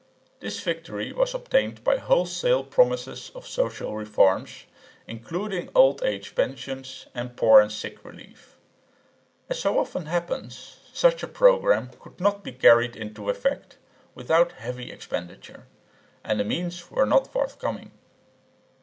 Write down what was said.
This victory was obtained by wholesale promises of social reforms, including old age pensions and poor and sick relief. As so often happens, such a programme could not be carried into effect without heavy expenditure; and the means were not forthcoming.